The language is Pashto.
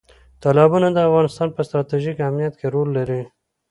تالابونه د افغانستان په ستراتیژیک اهمیت کې رول لري.